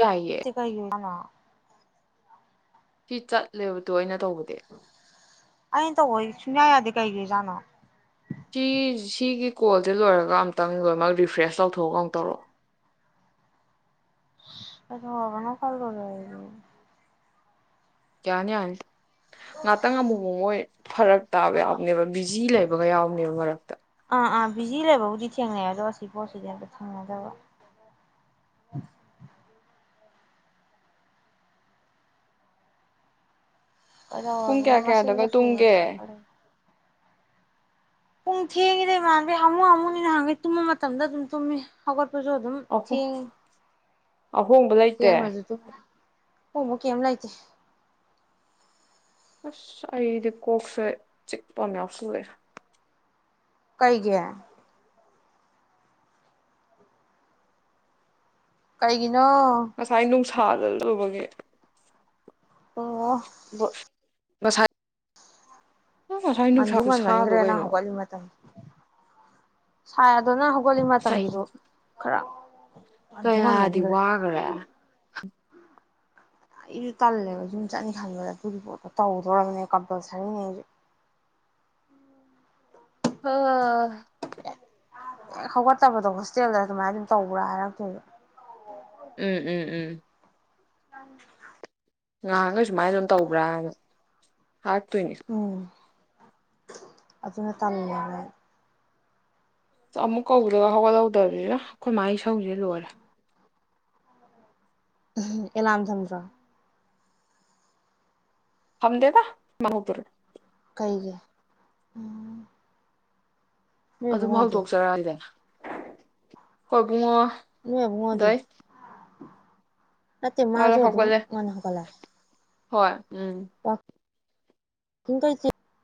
ꯌꯥꯏꯌꯦ ꯇꯦ ꯀꯩꯒꯤ ꯑꯣꯢꯖꯥꯅꯣ ꯁꯤ ꯆꯠꯂꯦꯕꯗꯣ ꯑꯩꯅ ꯇꯧꯕꯗꯤ ꯑꯩꯅ ꯇꯧꯕꯗꯤ ꯁꯨꯡꯌꯥ ꯌꯥꯗꯦ ꯀꯩꯒꯤ ꯑꯣꯏꯖꯅꯣ ꯁꯤ ꯁꯤꯒꯤ ꯀꯣꯜꯁꯦ ꯂꯣꯏꯔꯒ ꯑꯝꯇꯪ ꯂꯣꯏꯃꯛ ꯔꯤꯐ꯭ꯔꯦꯁ ꯇꯧꯊꯣꯛꯑꯒ ꯑꯃꯨꯛ ꯇꯧꯔꯛꯑꯣ ꯀꯩꯅꯣ [unintelligible] ꯌꯥꯅꯤ ꯌꯥꯅꯤ ꯉꯥꯛꯇꯪ ꯑꯃꯨꯃꯨꯛ ꯃꯣꯏ ꯐꯔꯛ ꯇꯥꯕ ꯌꯥꯎꯕꯅꯦꯕ ꯕꯤꯖꯤ ꯂꯩꯕ ꯕꯒ ꯌꯥꯎꯕꯅꯦꯕ ꯃꯔꯛꯇ ꯑꯥ ꯑꯥ ꯕꯤꯖꯤ ꯂꯩꯕꯕꯨꯗꯤ ꯊꯦꯡꯅꯩ ꯑꯗꯣ ꯑꯁꯤ ꯄꯣꯠꯁꯤꯗꯤ ꯑꯝꯇ ꯊꯦꯡꯅꯗꯕ ꯄꯨꯡ ꯀꯗꯧꯔꯒꯅꯦ ꯀꯌꯥ ꯀꯌꯥꯗꯒ ꯃꯁꯤꯒ ꯁꯔ ꯇꯨꯝꯒꯦ ꯄꯨꯡ ꯊꯦꯡꯉꯤꯗ ꯏꯃꯥꯝꯃ ꯅꯥꯍꯥꯉꯩ ꯍꯥꯃꯨ ꯍꯥꯃꯨꯅꯤ ꯅꯍꯪꯉꯩ ꯇꯨꯝꯕ ꯃꯇꯝꯗ ꯑꯗꯨꯝ ꯇꯨꯝꯃꯤ ꯍꯧꯒꯠꯄ ꯑꯩꯈꯣꯏꯁꯨ ꯑꯗꯨꯝ ꯑꯍꯨꯝ ꯊꯦꯡꯉꯤ ꯑꯍꯣꯡꯕ ꯂꯩꯇꯦ ꯊꯦꯡꯉꯁꯨ ꯑꯗꯨꯝ ꯑꯍꯣꯡꯕ ꯀꯦꯝ ꯂꯩꯇꯦ ꯑꯁ ꯑꯩꯗꯤ ꯀꯣꯛꯁꯦ ꯆꯤꯛꯄ ꯑꯃ ꯌꯥꯎꯁꯜꯂꯛꯑꯦ ꯀꯩꯒꯤ ꯀꯩꯒꯤ ꯅꯣ ꯊꯥꯗ ꯂꯧꯕꯒꯤ ꯑꯣ ꯕꯣ ꯉꯁꯥꯏ ꯉꯁꯥꯏ ꯅꯨꯡꯁꯥ ꯉꯟꯁꯨ ꯈꯨꯁꯥꯗꯣ ꯉꯟꯃꯟꯈ꯭ꯔꯦ ꯅꯪ ꯀꯩꯅꯣ ꯍꯧꯒꯠꯂꯤ ꯃꯇꯝ ꯁꯥꯏ ꯑꯗꯣ ꯅ ꯍꯧꯒꯣꯜꯂꯤ ꯑꯁ ꯑꯩꯗꯤ ꯃꯇꯝꯗꯨꯁꯨ ꯈꯔ ꯉꯟꯁꯨ ꯀꯌꯥꯗꯤ ꯉꯟꯃꯟꯈ꯭ꯔꯦ ꯋꯥꯒꯅꯔꯦ ꯑꯩꯁꯨ ꯇꯜꯂꯦꯕ ꯌꯨꯝ ꯆꯠꯅꯤ ꯈꯟꯕꯗ ꯑꯗꯨꯒꯤ ꯄꯣꯠꯇꯣ ꯇꯧꯗꯣꯔꯕꯅꯦ ꯀꯝꯄꯜꯁꯔꯤꯅꯦ ꯑꯩꯁꯨ ꯑ ꯑꯥꯥ ꯑꯦ ꯍꯧꯒꯠꯇꯕꯗ ꯍꯣꯁꯇꯦꯜꯗ ꯑꯗꯨꯃꯥꯏꯅ ꯑꯗꯨꯝ ꯇꯧꯕ꯭ꯔ ꯍꯥꯏꯔꯛꯇꯣꯏꯕ ꯎꯝ ꯎꯝ ꯎꯝ ꯑꯪ ꯉꯍꯥꯟꯉꯩ ꯁꯨꯃꯥꯏꯅ ꯑꯗꯨꯝ ꯇꯧꯕ꯭ꯔꯥꯅ ꯍꯥꯥꯛꯇꯣꯏꯅꯤ ꯎꯝ ꯑꯗꯨꯅ ꯇꯜꯂꯤꯅꯦ ꯑꯃꯨꯛ ꯀꯧꯗ ꯍꯧꯒꯠꯍꯧꯗꯔꯤꯗ ꯑꯩꯈꯣꯏ ꯃꯥꯒꯤ ꯏꯁꯧꯁꯦ ꯂꯣꯏꯔꯦ ꯑꯦꯂꯥꯝ ꯊꯝꯗ꯭ꯔꯣ ꯊꯝꯗꯦꯗ ꯃꯥꯍꯧꯗꯣꯛꯔꯛꯑꯦ ꯀꯩꯒꯤ ꯎꯝ ꯅꯣꯏ ꯑꯗꯨꯝ ꯏꯕꯨꯡꯉꯣꯗꯤ ꯍꯧꯗꯣꯛꯆꯔꯛꯏꯗꯅ ꯀꯣꯕꯨꯨꯡꯉꯣ ꯅꯣꯏꯑꯕꯨꯡꯉꯣꯗꯤ ꯅꯇꯩ ꯃꯥꯗꯣ ꯃꯥꯁꯨ ꯑꯗꯨꯝ ꯍꯧꯒꯠꯂꯦ ꯉꯟꯅ ꯍꯧꯒꯠꯂꯦ ꯍꯣꯏ ꯎꯝ ꯋꯥꯀꯤꯡ [unintelligible]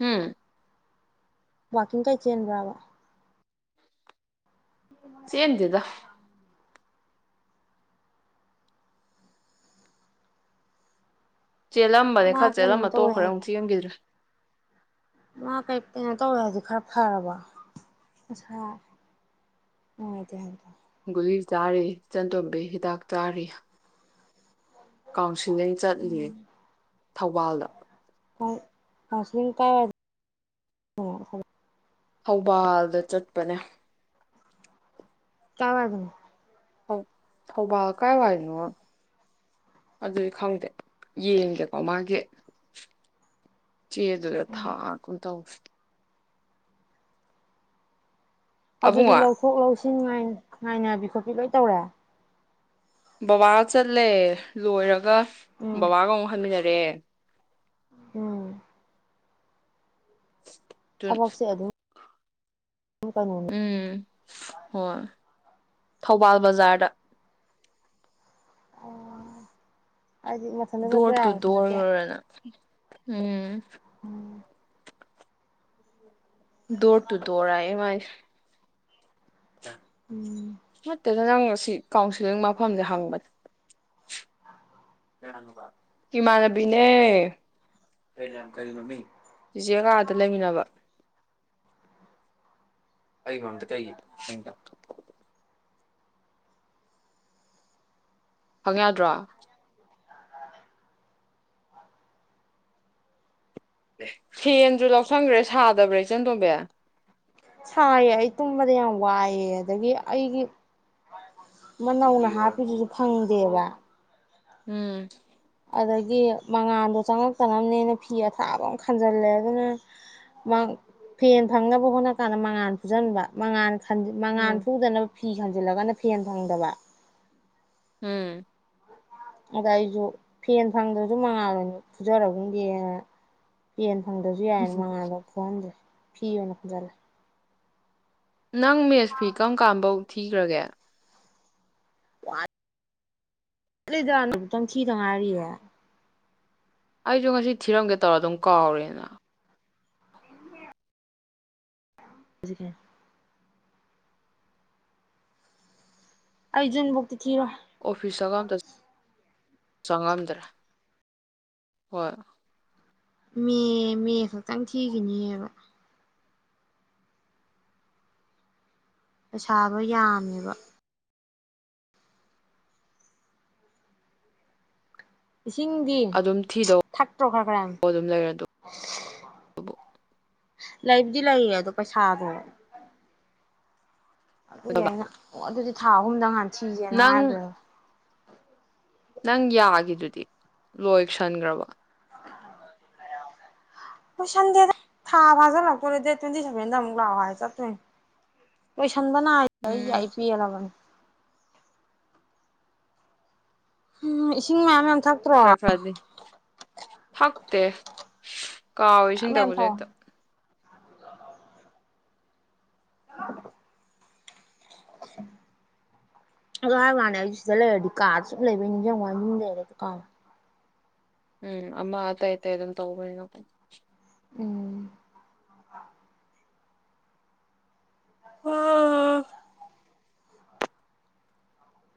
ꯍꯝ ꯋꯥꯀꯤꯡ ꯀꯥꯏ ꯆꯦꯟ ꯕ꯭ꯔꯥꯕ ꯆꯦꯟꯗꯦꯗ ꯆꯦꯜꯂꯝꯕꯅꯦ ꯃꯥ ꯈꯔ ꯀꯩꯅꯣ ꯆꯦꯜꯂꯝꯃ ꯇꯧꯋꯦ ꯇꯣꯛꯈꯔꯦ ꯍꯥꯏ ꯑꯃꯨꯛ ꯆꯦꯟꯈꯤꯗ꯭ꯔꯦ ꯃꯥ ꯀꯩ ꯀꯦꯅꯣ ꯇꯧꯋꯦ ꯍꯥꯏꯗꯤ ꯈꯔ ꯐꯔꯕꯣ ꯃꯁꯥ ꯅꯨꯡꯉꯥꯏꯇꯦ ꯍꯥꯏꯕꯗꯣ ꯨꯒꯨꯂꯤ ꯆꯥꯔꯤ ꯆꯟꯇꯣꯝꯕꯤ ꯍꯤꯗꯥꯛ ꯆꯥꯔꯤ ꯀꯥꯎ [unintelligible] ꯎꯝ ꯊꯧꯕꯥꯜꯗ [unintelligible] ꯊꯧꯕꯥꯜꯗ ꯆꯠꯄꯅꯦ ꯆꯥꯎ ꯌꯥꯗꯝꯅꯦ ꯊꯧꯕꯥꯜ ꯀꯥꯏꯋꯥꯏꯅꯣ ꯑꯗꯨꯗꯤ ꯈꯪꯗꯦ ꯌꯦꯡꯒꯦꯀꯣ ꯃꯥꯒꯤ ꯆꯦ ꯑꯗꯨꯗ ꯎꯝ ꯊꯥ ꯀꯨꯟ ꯊꯧ ꯑꯗꯨꯗꯤ ꯑꯕꯨꯡꯉꯣ ꯂꯧꯊꯣꯛ ꯂꯧꯁꯤꯟ [unintelligible] ꯉꯥꯏ ꯉꯥꯏꯅꯕꯤ ꯈꯣꯠꯄꯤ ꯂꯣꯏ ꯇꯧꯔꯦ ꯕꯥꯕꯥꯒ ꯆꯠꯂꯦ ꯂꯣꯏꯔꯒ ꯎꯝ ꯕꯥꯕꯥꯒ ꯑꯃꯨꯛ ꯍꯟꯃꯤꯟꯅꯔꯑꯦ [inaudible] ꯎꯝ ꯑꯗꯨ ꯊꯕꯛꯁꯦ ꯑꯗꯨꯝ ꯀꯩꯅꯣꯅꯤ ꯎꯝ ꯍꯣꯏ ꯊꯧꯕꯥꯜ ꯕꯖ꯭ꯥꯔꯗ [inaudible] ꯍꯥꯏꯗꯤ ꯃꯊꯟꯇ ꯆꯠꯄ ꯗꯣꯔ ꯇꯨ ꯌꯥꯕꯁꯨ ꯅꯠꯇꯦ ꯗꯣꯔ ꯔꯅ ꯎꯝ ꯎꯝ ꯗꯣꯔ ꯇꯨ ꯗꯣꯔ ꯍꯥꯏꯑ ꯃꯥꯏꯁꯦ ꯎꯝ ꯅꯠꯇꯦꯗ ꯅꯪꯒ ꯁꯤ ꯀꯥꯎꯟꯁꯤꯂꯤꯡ ꯃꯐꯝꯁꯦ ꯍꯪꯕ ꯏꯃꯥꯟꯅꯕꯤꯅꯦ [inaudible] ꯆꯤꯆꯦ ꯀꯥꯗ ꯂꯩꯃꯤꯟꯅꯕ ꯑꯩ ꯃꯔꯝꯗ ꯀꯩꯒꯤ ꯍꯪ ꯌꯥꯗ꯭ꯔꯣ ꯐꯦꯟꯁꯨ ꯂꯧꯁꯟꯈ꯭ꯔꯦ ꯁꯥꯗꯕ꯭ꯔꯥ ꯏꯆꯟꯇꯣꯝꯕꯤ ꯁꯥꯏꯌꯦ ꯑꯩ ꯇꯨꯝꯕꯗ ꯌꯥꯝ ꯋꯥꯏꯑꯦ ꯑꯗꯒꯤ ꯑꯩꯒꯤ ꯃ ꯅꯧꯅ ꯍꯥꯞꯄꯤꯗꯨꯁꯨ ꯐꯪꯗꯦꯕ ꯎꯝ ꯑꯗꯒꯤ ꯃꯉꯥꯥꯟꯗꯣ ꯆꯪꯉꯛꯇꯅꯕꯅꯦꯅ ꯐꯤ ꯑꯊꯥꯕ ꯑꯃ ꯈꯟꯖꯜꯂꯦ ꯑꯗꯨꯗ ꯃꯪ ꯐꯦꯟ ꯐꯪꯅꯕ ꯍꯣꯠꯅ ꯀꯥꯟꯗ ꯃꯉꯥꯥꯟ ꯐꯨꯖꯤꯟꯕ ꯃꯉꯥꯟ ꯃꯉꯥꯟ ꯎꯝ ꯐꯨꯗꯅ ꯐꯤ ꯈꯟꯖꯤꯜꯂꯒꯅ ꯐꯦꯟ ꯐꯪꯗꯕ ꯎꯝ ꯑꯗ ꯑꯩꯁꯨ ꯐꯦꯟ ꯐꯪꯗ꯭ꯔꯁꯨ ꯃꯉꯥꯜꯂꯅꯤ ꯐꯨꯖꯔꯒꯨꯝꯒꯦꯅ ꯐꯦꯟ [unintelligible] ꯐꯤ ꯑꯣꯏꯅ ꯐꯨꯟꯖꯟꯂꯦ ꯅꯪ ꯃꯦꯁ ꯐꯤ ꯀꯔꯝ ꯀꯥꯟꯕꯧ ꯊꯤꯒ꯭ꯔꯒꯦ ꯋꯥꯠ ꯑꯃꯨꯛꯇꯪ ꯊꯤꯗ ꯉꯥꯏꯔꯤꯌꯦ ꯑꯩꯗꯣ ꯉꯁꯤ ꯊꯤꯔꯝꯒꯦ ꯇꯧꯔ ꯑꯗꯨꯝ ꯀꯥꯎꯔꯦꯅ ꯍꯧꯖꯤ ꯀꯦ ꯑꯩ ꯖꯨꯟꯕꯨꯛꯇꯤ ꯊꯤꯔꯣꯏ ꯑꯣꯐꯤꯁ ꯆꯪꯉꯝꯇ ꯆꯪꯉꯝꯗ꯭ꯔꯦ ꯍꯣꯏ ꯃꯦ ꯃꯦ ꯈꯛꯇꯪ ꯊꯤꯈꯤꯅꯤꯌꯦꯕ ꯄꯩꯁꯥꯗꯣ ꯌꯥꯝꯃꯦꯕ ꯏꯁꯤꯡꯗꯤ ꯑꯗꯨꯝ ꯊꯤꯗꯧ ꯊꯛꯇ꯭ꯔꯣ ꯈꯔ ꯈꯔ ꯑꯗꯨꯝ ꯂꯩꯔꯗꯧꯕ ꯂꯩꯕꯨꯗꯤ ꯂꯩꯌꯦ ꯑꯗꯣ ꯄꯩꯁꯥꯗꯣ ꯑꯗꯨꯗꯤ ꯌꯥꯏꯅ ꯑꯣ ꯑꯗꯨꯗꯤ ꯊꯥ ꯑꯍꯨꯝꯗꯪ ꯍꯥꯟ ꯊꯤꯖꯦꯅ ꯅꯪ ꯍꯥꯏꯒ꯭ꯔꯣ ꯅꯪ ꯌꯥꯒꯤꯗꯨꯗꯤ ꯂꯣꯏꯁꯟꯒ꯭ꯔꯕꯣ ꯂꯣꯏꯁꯟꯗꯦꯗ ꯊꯥ ꯐꯥꯖꯤꯜꯂꯛꯇꯣꯔꯦ ꯗꯦꯠ ꯇ꯭ꯋꯦꯟꯇꯤ ꯁꯚꯦꯟꯗ ꯑꯃꯨꯛ ꯂꯥꯛꯑꯣ ꯍꯥꯏ ꯆꯠꯇꯣꯏꯅꯦ ꯈꯟꯕꯅꯥꯏ ꯑꯩ ꯎꯝ ꯑꯩ ꯄꯦꯟꯂꯕꯅꯦ ꯎꯝ ꯏꯁꯤꯡ ꯃꯌꯥꯝ ꯃꯌꯥꯝ ꯊꯛꯇ꯭ꯔꯣ ꯁꯠ ꯁꯠꯅꯤ ꯊꯛꯇꯦ ꯀꯥꯎꯋꯦ ꯃꯌꯥꯝ ꯏꯁꯤꯡ ꯃꯌꯥꯝ ꯊꯛꯄꯁꯦ ꯊꯛꯑꯣ ꯍꯦꯛꯇ [unintelligible] ꯑꯗꯨ ꯍꯥꯏꯕ ꯋꯥꯅꯦ ꯑꯩꯁꯨ ꯁꯤꯗ ꯂꯩꯔꯗꯤ ꯀꯥꯗ ꯁꯨꯝ ꯂꯩꯕꯩ ꯅꯤꯡꯖꯤꯡꯕ ꯋꯥꯅꯦ ꯌꯨꯝꯗ ꯂꯩꯔꯗꯤ ꯍꯦꯛꯇ ꯀꯥꯎꯑꯦ ꯎꯝ ꯑꯃ ꯑꯇꯩ ꯑꯇꯩ ꯑꯗꯨꯝ ꯇꯧꯕꯅꯤꯅ ꯎꯝ [unintelligible]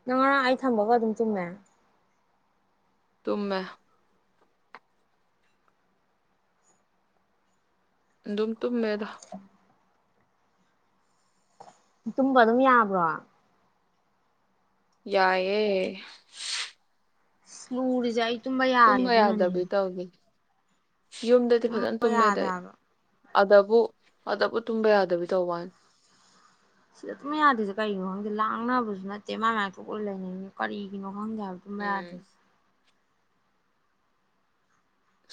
ꯅꯪ ꯉꯔꯥꯡ ꯑꯩ ꯊꯝꯕꯒ ꯑꯗꯨꯝ ꯇꯨꯝꯃꯦ ꯇꯨꯝꯃꯦ ꯑꯗꯨꯝ ꯇꯨꯝꯃꯦꯗ ꯇꯨꯝꯕ ꯑꯗꯨꯝ ꯌꯥꯕ꯭ꯔꯣ ꯌꯥꯏꯌꯦ ꯑꯁ ꯂꯨꯔꯤꯖꯦ ꯑꯩ ꯇꯨꯝꯕ ꯌꯥꯔꯦ ꯑꯗꯨꯅꯅꯦ ꯌꯥꯗꯕꯤ ꯇꯧꯅꯤ ꯌꯨꯝꯗꯗꯤ ꯐꯖꯅ ꯇꯨꯝꯕ ꯇꯨꯝꯃꯦꯗ ꯌꯥꯗꯦ ꯑꯩ ꯍꯥꯏꯕ ꯑꯗꯕꯨ ꯑꯗꯕꯨ ꯇꯨꯝꯕ ꯌꯥꯗꯕꯤ ꯇꯧꯕꯥꯋꯥꯅꯦ ꯁꯤꯗ ꯇꯨꯝꯕ ꯌꯥꯗꯦꯁꯦ ꯀꯩꯒꯤꯅꯣ ꯈꯪꯗꯦ ꯂꯥꯡꯅꯕꯁꯨ ꯅꯠꯇꯦ ꯃꯥꯥꯏ ꯃꯥꯏ ꯊꯣꯛꯄ ꯂꯩꯅꯩꯅꯦ ꯀꯔꯤꯒꯤꯅꯣ ꯈꯪꯗꯦ ꯍꯥꯏꯕ ꯇꯨꯝꯕ ꯎꯝ ꯌꯥꯗ꯭ꯔꯤꯁꯦ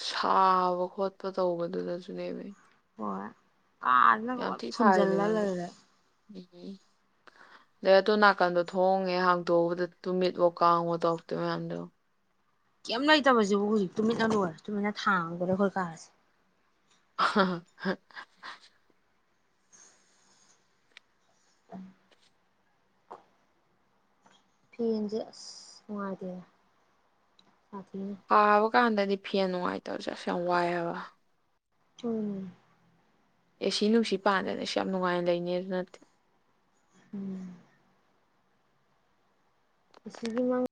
ꯁꯥꯕ ꯈꯣꯠꯄ ꯇꯧꯕꯗꯨꯗꯁꯨ ꯅꯦꯃꯤ ꯀꯥ ꯑꯗꯨꯅ ꯐꯨꯟꯖꯜꯂ ꯁꯥꯏꯗꯅ ꯍꯟꯗꯛ ꯂꯩꯔꯦ ꯎꯝ ꯑꯗꯨꯏ ꯅꯥꯀꯟꯗꯣ ꯊꯣꯡꯍꯦꯛ ꯍꯥꯡꯇꯣꯛꯎꯕꯗ ꯇꯨꯃꯤꯠꯂꯣ ꯀꯥꯡꯉꯣ ꯇꯧꯔꯛꯇꯣꯏ ꯃꯌꯥꯝꯗꯣ ꯀꯩꯝ ꯂꯩꯇꯕꯁꯤꯕꯨ ꯍꯧꯖꯤꯛ ꯇꯨꯃꯤꯠꯅ ꯂꯣꯏꯔꯦ ꯇꯨꯃꯤꯠꯟꯅ ꯊꯥꯡꯗꯣꯔꯦ ꯑꯩꯈꯣꯏ ꯀꯥꯁꯦ ꯍ ꯍ ꯍ [inaudible] ꯐꯦꯟꯁꯦ ꯑꯁ ꯅꯨꯡꯉꯥꯏꯇꯦꯅꯦ ꯁꯥꯊꯤꯅꯦ ꯁꯥꯕ ꯀꯥꯟꯗꯗꯤ ꯐꯦꯟ ꯅꯨꯡꯉꯥꯏꯇꯕꯁꯦ ꯑꯁ ꯌꯥꯝ ꯋꯥꯏ ꯍꯥꯏꯕ ꯎꯝ ꯑꯦ ꯁꯤ ꯅꯨꯡꯁꯤ ꯄꯥꯟꯗꯅ ꯏꯁ ꯌꯥꯝ ꯅꯨꯡꯉꯥꯏꯅ ꯂꯩꯅꯦ ꯁꯨ ꯅꯠꯇꯦ ꯎꯝ ꯑꯦ ꯁꯤꯒꯤ ꯃꯡ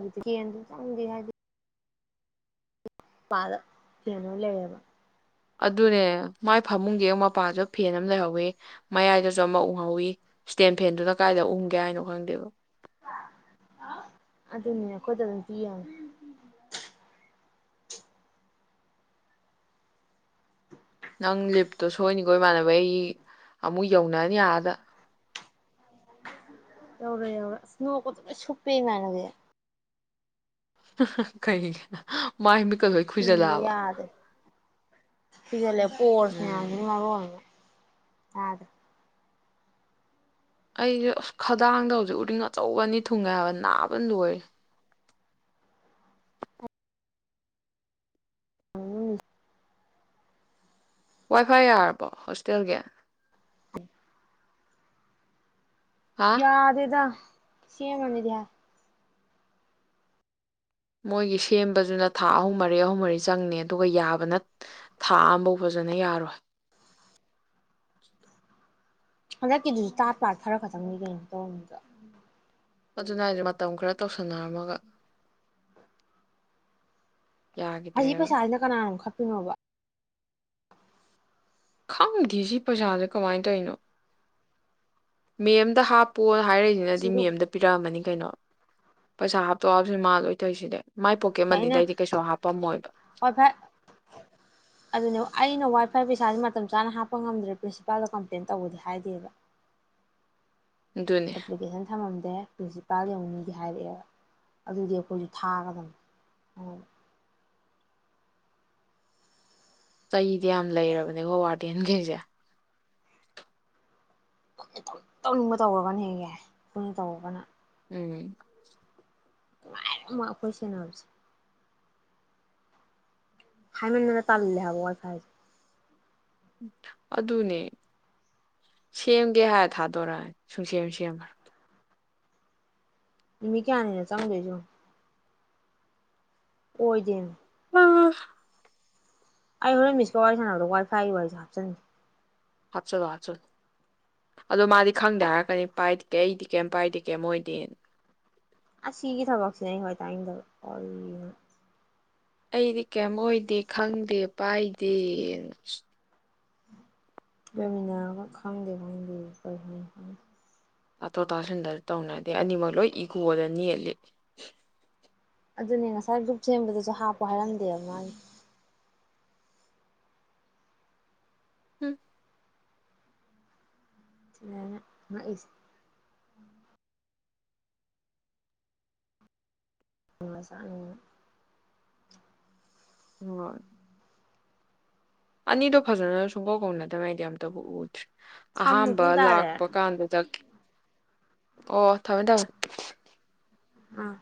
ꯕꯨꯗꯤ ꯀꯩꯝꯆꯨ ꯆꯪꯗꯦ ꯍꯥꯏꯗꯤ ꯄꯥꯂ ꯐꯦꯟ ꯑꯣꯏ ꯂꯩꯔꯦꯕ ꯑꯗꯨꯅꯦ ꯃꯥꯏ ꯐꯃꯨꯡꯒꯤ ꯍꯦꯛ ꯃꯄꯥꯗ ꯐꯦꯟ ꯑꯃ ꯂꯩꯍꯧꯋꯤ ꯃꯌꯥꯏꯗꯁꯨ ꯑꯃ ꯎꯍꯧꯋꯤ ꯏꯁꯇꯦꯟ ꯐꯦꯟꯗꯨꯅ ꯀꯥꯏꯗ ꯎꯪꯒꯦ ꯍꯥꯏꯅꯣ ꯈꯪꯗꯦꯕ ꯑꯗꯨꯅꯦ ꯑꯩꯈꯣꯏꯗꯒꯗꯤ ꯌꯦꯡꯉꯣ ꯅꯪ ꯂꯤꯞꯇꯣ ꯁꯣꯏꯅꯤꯀꯣ ꯏꯃꯥꯟꯅꯕ ꯑꯩ ꯑꯃꯨꯛ ꯌꯧꯅꯅꯤ ꯑꯗꯥ ꯌꯧꯔꯣꯏ ꯌꯧꯔꯣꯏ ꯑꯁ ꯅꯣꯛꯄꯗ ꯂꯣꯢ ꯁꯨꯞꯄꯦ ꯏꯃꯥꯟꯅꯕꯤ ꯀꯩꯒꯤ ꯃꯥꯥꯏ ꯃꯤꯠ ꯆꯤꯟꯁꯦ ꯌꯥꯗꯦ ꯈꯨꯏꯖꯤꯜꯂꯉꯦ ꯄꯣꯔꯁ ꯎꯝ ꯃꯌꯥꯝꯁꯤꯅ ꯃꯔꯣꯜ ꯑꯃ ꯑꯗꯥ ꯑꯩꯁꯦ ꯑꯁ ꯈꯗꯥꯡꯗ ꯍꯧꯖꯤꯛ ꯎꯔꯤꯡ ꯑꯆꯧꯕ ꯑꯅꯤ ꯊꯨꯡꯉꯦ ꯍꯥꯏꯕ ꯅꯥꯕꯅ ꯂꯣꯏꯔꯦ ꯎꯝ ꯋꯥꯏ ꯐꯥꯏ ꯌꯥꯔꯕꯣ ꯍꯣꯁꯇꯦꯜꯒꯤ ꯎꯝ ꯍꯥ ꯌꯥꯗꯦꯗ ꯁꯦꯝꯃꯅꯤꯗꯤ ꯍꯥꯏ ꯃꯣꯏꯒꯤ ꯁꯦꯝꯕꯕꯁꯤꯅ ꯊꯥ ꯑꯍꯨꯝ ꯃꯔꯤ ꯑꯍꯨꯝ ꯃꯔꯤ ꯆꯪꯅꯤ ꯑꯗꯨꯒ ꯌꯥꯕꯅ ꯊꯥ ꯑꯃꯐꯧ ꯐꯖꯅ ꯌꯥꯔꯣꯏ ꯍꯟꯗꯛꯀꯤꯗꯨꯁꯨ ꯇꯥꯠ ꯄꯥꯠ ꯈꯔ ꯈꯛꯇꯪꯅꯤ ꯀꯩꯅꯣ ꯇꯧꯔꯝꯃꯤꯗꯣ ꯑꯗꯨꯅꯦ ꯍꯥꯏꯁꯦ ꯃꯇꯝ ꯈꯔ ꯇꯧꯁꯟꯅꯔꯝꯃꯒ ꯑꯁꯤ ꯌꯥꯈꯤꯗ꯭ꯔꯦꯕ ꯄꯩꯁꯥꯁꯤꯅ ꯀꯅꯥꯅ ꯑꯃꯨꯛ ꯈꯞ ꯇꯨꯝꯅꯤꯡꯉꯕꯣ ꯈꯪꯗꯦ ꯁꯤ ꯄꯩꯁꯥꯁꯦ ꯀꯃꯥꯏꯅ ꯇꯧꯋꯤꯅꯣ ꯃꯦꯝꯗ ꯍꯥꯞꯄꯣꯅ ꯍꯥꯏꯔꯛꯏꯁꯤꯅꯗꯤ ꯁꯤꯗ ꯃꯦꯝꯗ ꯄꯤꯔꯛꯑꯃꯅꯤ ꯀꯩꯅꯣ ꯄꯩꯁꯥ ꯍꯥꯞꯇꯣꯛ ꯍꯥꯞꯁꯤꯟ ꯃꯥ ꯂꯣꯏ ꯇꯧꯏꯁꯤꯗꯤ ꯌꯥꯅ ꯋꯥꯏ ꯐꯥꯏ ꯑꯗꯨꯅꯦ ꯑꯩꯅ ꯋꯥ ꯈꯔ ꯄꯩꯁꯥꯁꯦ ꯃꯇꯝ ꯆꯥꯅ ꯍꯥꯞꯄ ꯉꯝꯗ꯭ꯔꯦ ꯄ꯭ꯔꯤꯟꯁꯤꯄꯥꯜꯗ ꯀꯝꯄ꯭ꯂꯦꯟ ꯇꯧꯒꯦꯗꯤ ꯍꯥꯏꯗꯦꯕ ꯑꯗꯨꯅꯦ ꯑꯦꯄ꯭ꯂꯤꯀꯦꯁꯟ ꯊꯝꯃꯝꯦ ꯁꯦ ꯄ꯭ꯔꯤꯟꯁꯤꯄꯥꯜ ꯌꯧꯅꯤꯗꯤ ꯍꯥꯏꯔꯛꯑꯦꯕ ꯑꯗꯨꯗꯤ ꯑꯩꯈꯣꯏꯁꯨ ꯊꯥꯒꯗꯕꯅꯦ ꯆꯩꯗꯤ ꯌꯥꯝ ꯂꯩꯔꯕꯅꯦꯀꯣ ꯋꯥꯔꯗꯦꯟꯒꯩꯁꯦ ꯇꯧꯅꯤꯡ ꯇꯧꯅꯤꯡꯕ ꯇꯧꯔꯒꯅ ꯍꯦꯛ ꯌꯥꯏ ꯑꯈꯣꯢꯅ ꯇꯧꯔꯒꯅ ꯎꯝ ꯅꯨꯉꯥꯏꯔꯦ ꯃꯣꯏ ꯑꯈꯣꯢ ꯁꯦꯟꯅꯕꯁꯦ ꯍꯥꯏꯃꯟꯗꯅ ꯇꯥꯟꯂꯦ ꯍꯥꯏꯕꯥ ꯋꯥꯏꯐꯥꯏ ꯁꯦ ꯑꯗꯨꯅꯦ ꯁꯦꯝꯒꯦ ꯍꯥꯏꯔ ꯊꯥꯗꯣꯔꯛꯑꯅꯤ ꯁꯨꯡꯁꯦꯝ ꯁꯦꯝꯃꯔꯣꯏ ꯅꯨꯃꯤꯠ ꯀꯌꯥꯅꯤꯅꯣ ꯆꯪꯗꯣꯏꯁꯦ ꯌꯦꯡꯉꯣ ꯑꯣꯏꯗꯤꯟ ꯑꯥ ꯑꯩ ꯍꯣꯔꯦꯟ ꯃꯤꯁꯀ ꯋꯥꯔꯤ ꯁꯥꯟꯅꯕꯗ ꯋꯥꯏꯐꯥꯏ ꯋꯥꯔꯤꯁꯨ ꯍꯥꯞꯆꯟꯒꯦ ꯍꯥꯞꯆꯜꯂꯣ ꯍꯥꯞꯆꯜꯂꯣ ꯑꯗꯣ ꯃꯥꯗꯤ ꯈꯪꯗꯦ ꯍꯥꯏꯔꯛꯀꯅꯤ ꯄꯥꯏꯗꯦ ꯑꯩꯗꯤ ꯀꯩꯝ ꯄꯥꯏꯗꯦ ꯀꯩꯝ ꯑꯣꯏꯗꯦꯅ ꯑꯁ ꯁꯤꯒꯤ ꯊꯕꯛꯁꯤꯅꯦ ꯑꯩ ꯈꯋꯥꯏ ꯇꯥꯏꯅꯤꯡꯗꯕ ꯀꯔꯤꯅꯣ ꯑꯩꯗꯤ ꯀꯩꯝ ꯑꯣꯏꯗꯦ ꯈꯪꯗꯦ ꯄꯥꯏꯗꯦꯅ ꯂꯩꯃꯤꯟꯅꯔꯒ ꯈꯪꯗꯦ ꯈꯪꯗꯦꯌꯦ ꯀꯩ ꯍꯥꯏꯅꯣ ꯈꯪ ꯇꯥꯊꯣꯛ ꯇꯥꯁꯤꯟꯗ ꯇꯧꯅꯗꯦ ꯑꯅꯤꯃꯛ ꯂꯣꯏ ꯏꯒꯣꯗ ꯅꯦꯠꯂꯤ ꯑꯗꯨꯅꯦ ꯉꯁꯥꯏ ꯒ꯭ꯔꯨꯞ ꯁꯦꯝꯕꯗꯁꯨ ꯍꯥꯞꯄꯣ ꯍꯥꯏꯔꯝꯗꯦꯕ ꯃꯥꯒꯤ ꯎꯝ ꯁꯤꯗꯅꯦ ꯑꯩꯅ ꯉꯛꯢꯁꯦ ꯎꯝ ꯃꯆꯥꯒꯤꯅꯦ ꯑꯣ ꯑꯅꯤꯗꯣ ꯐꯖꯅ ꯁꯨꯡꯀꯧ ꯀꯧꯅꯗꯕꯩꯗꯤ ꯑꯝꯇꯕꯨ ꯎꯗꯦ ꯊꯝꯃꯨ ꯑꯍꯥꯝꯕ ꯄꯨꯡ ꯇꯥꯔꯦ ꯂꯥꯛꯄ ꯀꯥꯟꯗꯨꯗꯥ ꯑꯣ ꯊꯝꯃꯦ ꯊꯝꯃꯦ ꯑꯥ